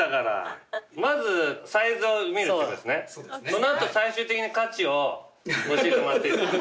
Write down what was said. そのあと最終的な価値を教えてもらって。